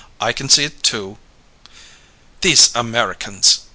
"I can see it, too." "These Americans!"